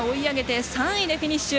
宇宙は３位でフィニッシュ。